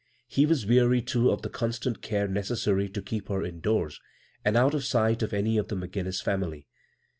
He was weary, too, of the constant care necessary to keep her indoors and out of sight of any of the McGinnis family.